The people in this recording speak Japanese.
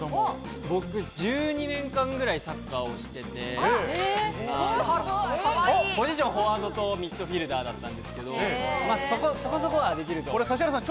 僕、１２年間くらいサッカーをしていて、ポジション、フォワードとミッドフィルダーだったんですけど、そこそこはできると思います。